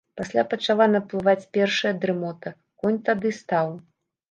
Пасля пачала наплываць першая дрымота, конь тады стаў.